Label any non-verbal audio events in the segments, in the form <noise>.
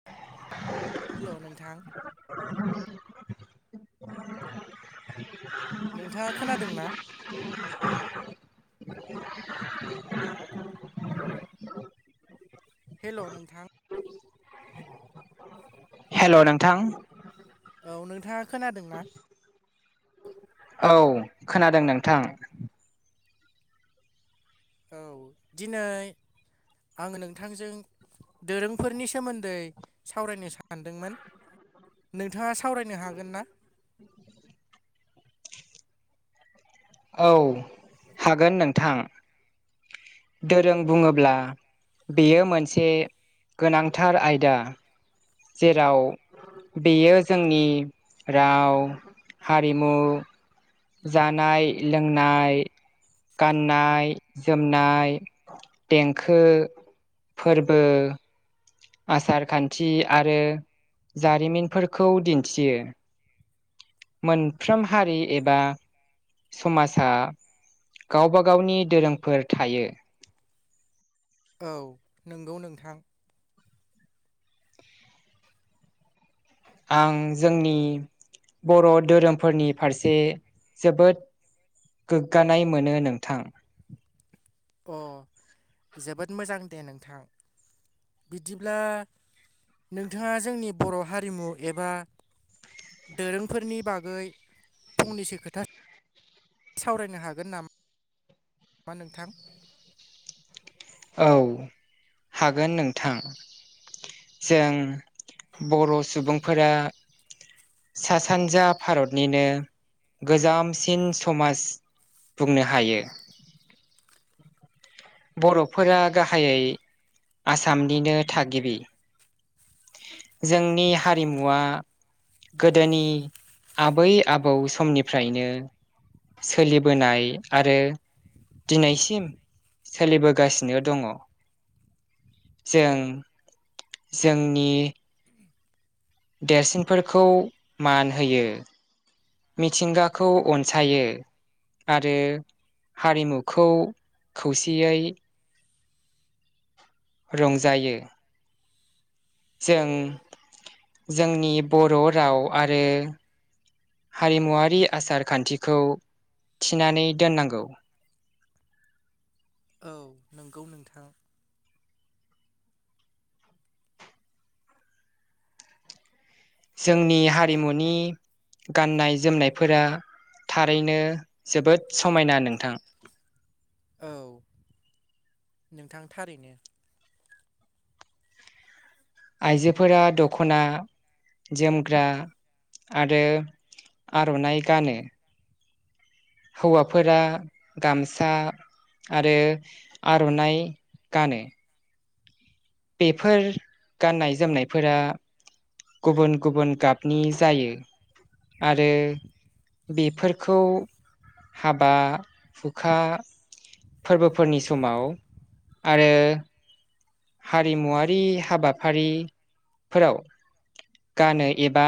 <inaudible> Hello नोंथां। <unintelligible> नोंथाङा खोनादों ना? <unintelligible> हेल' नोंथां। हेल' नोंथां। औ नोंथाङा खोनादों ना? औ खोनादों नोंथां। औ दिनै आंङो नोंथांजों दोरोंफोरनि सोमोन्दै सावरायनो सानदोंमोन। नोंथाङा सावरायनो हागोन ना? औ हागोन नोंथां दोरों बुंङोब्ला बेयो मोनसे गोनांथार आयदा। जेराव बेयो जोंनि राव हारिमु जानाय लोंनाय गाननाय जोमनाय देंखो फोरबो आसार खान्थि आरो जारिमिनफोरखौ दिन्थियो। मोनफ्रोम हारि एबा समाजा गावबा गावनि दोरोंफोर थायो। औ नंगौ नोंथां। आं जोंनि बर' धोरोमफोरनि फारसे जोबोद गोग्गानाय मोनो नोंथां। अ जोबोद मोजां दे नोंथां। बिदिब्ला नोंथाङा जोंनि बर' हारिमु एबा दोरोंफोरनि बागै फंनैसो खोथा सावरायनो हागोन ना मा नोंथां? औ हागोन नोंथां। जों बर' सुबुंफोरा सा सानजा भारतनिनो गोजामसिन समाज बुंनो हायो। बर'फोरा गाहायै आसामनिनो थागिबि। जोंनि हारिमुवा गोदोनि आबै आबौ समनिफ्रायनो सोलिबोनाय आरो दिनैसिम सोलिबोगासिनो दङ जों जोंनि देरसिनफोरखौ मान होयो। मिथिंगाखौ अनसायो। आरो हारिमुखौ खौसेयै रंजायो। जों जोंनि बर' राव आरो हारिमुवारि आसार खान्थिखौ थिनानै दोननांगौ। औ नंगौ नोंथां। जोंनि हारिमुनि गाननाय जोमनायफोरा थारैनो जोबोद समायना नोंथां। औ नोंथां थारैनो। आइजोफोरा दख'ना जोमग्रा आरो आर'नाइ गानो। हौवाफोरा गामसा आरो आर'नाइ गानो बेफोर गाननाय जोमनायफोरा गुबुन गुबुन गाबनि जायो आरो बेफोर बेखौ हाबा हुखा फोरबोफोरनि समाव आरो हारिमुवारि हाबाफारिफोराव गानो एबा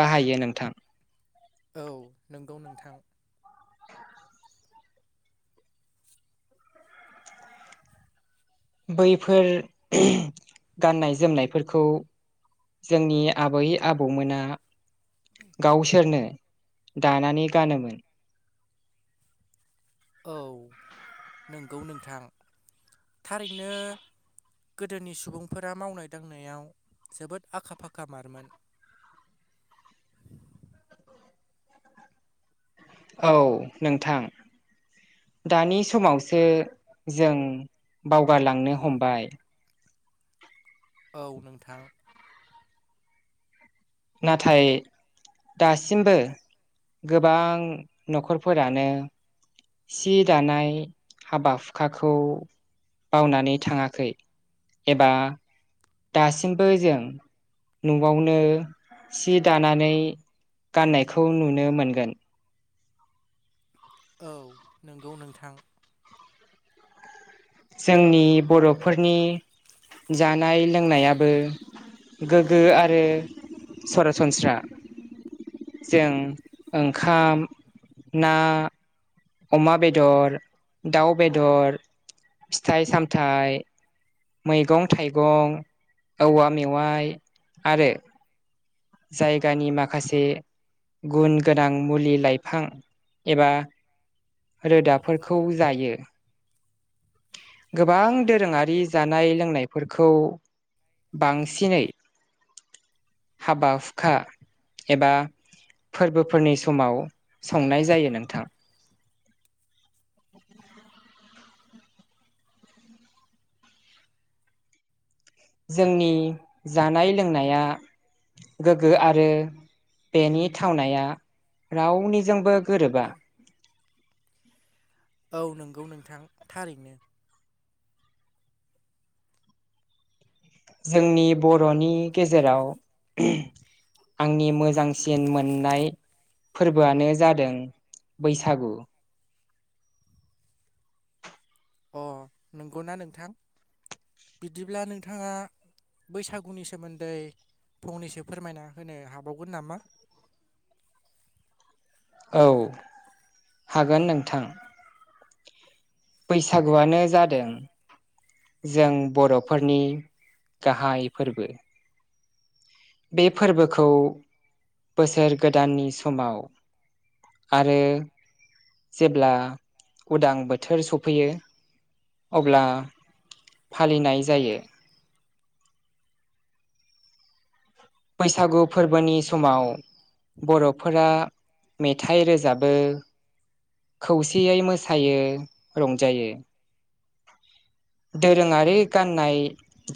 बाहायो नोंथां। औ नोंगौ नोंथां। <inaudible> बैफोर गाननाय जोमनायफोरखौ जोंनि आबै आबौमोना गावसोरनो दानानै गानोमोन औ नंगौ नोंथां थारैनो गोदोनि सुबुंफोरा मावनाय दांनायाव जोबोद आखा फाखामारमोन औ नोंथां दानि समावसो जों बावगारलांनो हमबाय औ नोंथां नाथाय दासिमबो गोबां न'खरफोरानो सि दानाय हाबा हुखाखौ बावनानै थाङाखै एबा दासिमबो जों न'आवनो सि दानानै गाननायखौ नुनो मोनगोन। औ नंगौ नोंथां जोंनि बर'फोरनि जानाय लोंनायाबो गोग्गो आरो सरासनस्रा जों ओंखाम ना अमा बेदर, दाउ बेदर, फिथाइ सामथाइ मैगं थाइगं, औवा मेवाइ आरो जायगानि माखासे गुन गोनां मुलि लाइफां एबा रोदाफोरखौ जायो गोबां दोरोङारि जानाय लोंनायफोरखौ बांसिनै हाबा हुखा एबा फोरबोफोरनि समाव संनाय जायो नोंथां जोंनि जानाय- लोंनाया गोगो आरो बेनि थावनाया रावनिजोंबो गोरोबा ओ नंगौ नोंथां थारैनो जोंनि बर'नि गेजेराव आंनि मोजांसिन मोननाय फोरबोआनो जादों बैसागु अ नंगौना नोंथां बिदिब्ला नोंथाङा बैसागुनि सोमोन्दै फंनैसो फोरमायना होनो हाबावगोन नामा औ हागोन नोंथां बैसागुआनो जादों जों बर'फोरनि गाहाय फोरबो बे फोरबोखौ बोसोर गोदाननि समाव आरो जेब्ला उदां बोथोर सफैयो अब्ला फालिनाय जायो बैसागु फोरबोनि समाव बर'फोरा मेथाइ रोजाबो। खौसेयै मोसायो रंजायो दोरोंङारि गाननाय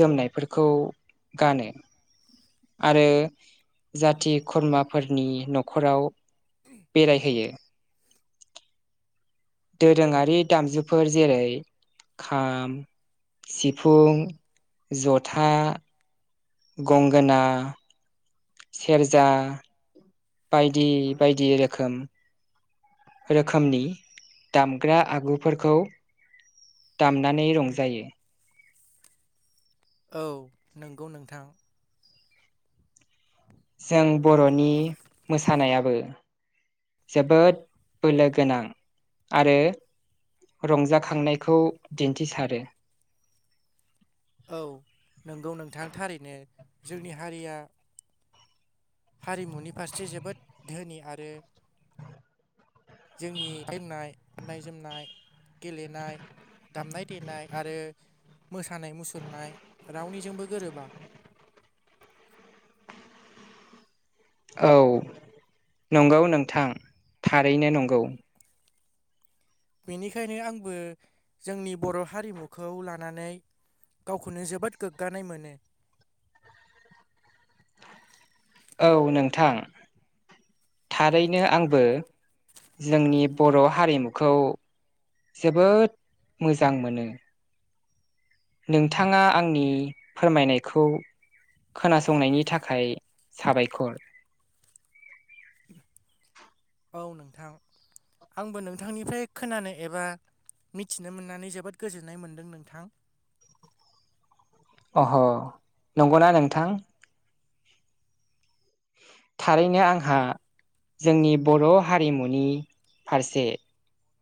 जोमनायफोरखौ गानो। आरो जाथि खुरमाफोरनि न'खराव बेरायहैयो दोरोङारि दामजुफोर जेरै खाम सिफुं जथा गंगोना सेरजा बायदि बायदि रोखोम रोखोमनि दामग्रा आगुफोरखौ दामनानै रंजायो। औ नोंगौ नोंथां जों बर'नि मोसानायाबो जोबोद बोलो गोनां आरो रंजाखांनाय खौ दिन्थिसारो औ नंगौ नोंथां थारैनो जोंनि हारिया हारिमुनि फारसे जोबोद धोनि आरो जोंनि <unintelligible> गाननाय जोमनाय गेलेनाय दामनाय देनाय आरो मोसानाय मुसुरनाय रावनिजोंबो गोरोबा औ नंगौ नोंथां थारैनो नंगौ बेनिखायनो आंबो जोंनि बर' हारिमुखौ लानानै गावखौनो जोबोद गोग्गानाय मोनो औ नोंथां थारैनो आंबो जोंनि बर' हारिमुखौ जोबोद मोजां मोनो नोंथाङा आंनि फोरमायनायखौ खोनासंनायनि थाखाय साबायखर औ नोंथां आंबो नोंथांनिफ्राय खोनानो एबा मिथिनो मोननानै जोबोद गोजोननाय मोन्दों नोंथां अह' नंगौना नोंथां थारैनो आंहा जोंनि बर' हारिमुनि फारसे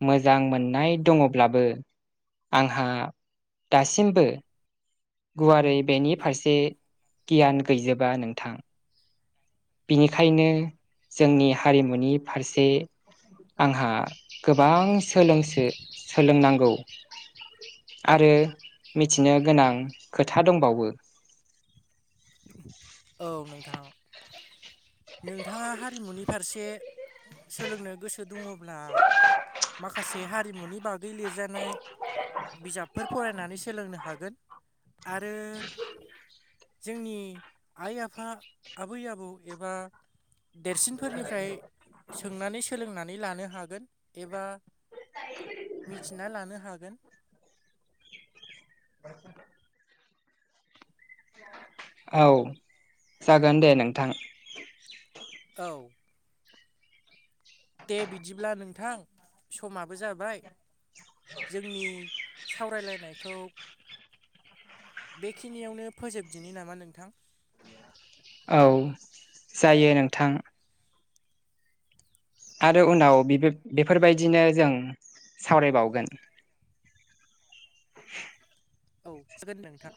मोजां मोननाय दङ'ब्लाबो आंहा दासिमबो गुवारै बेनि फारसे गियान गैजोबा नोंथां बिनिखायनो जोंनि हारिमुनि फारसे आंहा गोबां सोलोंसो सोलोंनांगौ आरो मिथिनो गोनां खोथा दंबावो।। औ नोंथां नोंथाङा हारिमुनि फारसे सोलोंनो गोसो दङब्ला माखासे हारिमुनि बागै लिरजानाय बिजाबफोर फरायनानै सोलोंनो हागोन आरो जोंनि आइ आफा आबै आबौ एबा देरसिनफोरनिफ्राय सोंनानै सोलोंनानै लानो हागोन एबा मिथिना लानो हागोन। औ जागोन दे नोंथां औ दे बिदिब्ला नोंथां समाबो जाबाय जोंनि सावरायलायनायखौ बेखिनियावनो फोजोबदिनि नामा नोंथां औ जायो नोंथां। आरो उनाव बेफो-बेफोरबायदिनो जों सावरायबावगोन। औ <unintelligible> नोंथां।